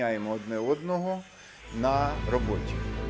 kami mengubah satu satunya di kerja